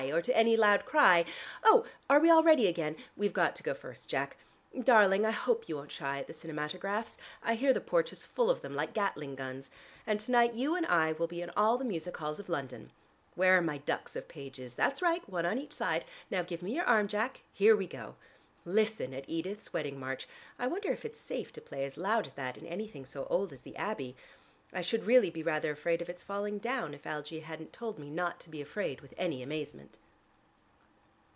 or to any loud cry Oh, are we all ready again? We've got to go first, Jack. Darling, I hope you won't shy at the cinematographs. I hear the porch is full of them, like Gatling guns, and to night you and I will be in all the music halls of London. Where are my ducks of pages? That's right: one on each side. Now give me your arm, Jack. Here we go! Listen at Edith's wedding march! I wonder if it's safe to play as loud as that in anything so old as the Abbey. I should really be rather afraid of its falling down if Algie hadn't told me not to be afraid with any amazement."